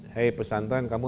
hei pesantren kamu